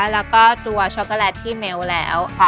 แล้วก็ตัวช็อกโกแลตที่เมลแล้ว